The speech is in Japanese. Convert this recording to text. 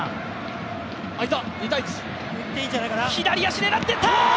左足狙っていった！